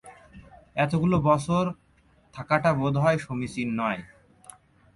এতগুলো বছর থাকাটা বোধ হয় সমীচীন নয়।